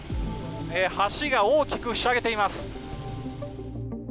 橋が大きくひしゃげています。